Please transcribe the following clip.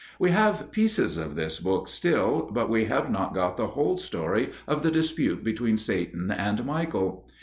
We have pieces of this book still, but we have not got the whole story of the dispute between Satan and Michael.